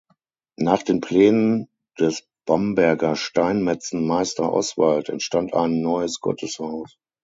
Nach den Plänen des Bamberger Steinmetzen Meister Oswald entstand ein neues Gotteshaus.